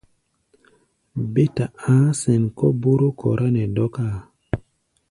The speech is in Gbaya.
Bé ta a̧á̧ sɛ̌n kɔ̧ bóró kɔrá nɛ dɔ́káa.